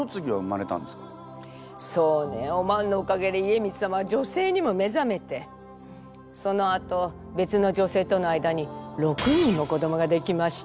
そうねお万のおかげで家光様は女性にも目覚めてそのあと別の女性との間に６人も子どもができました。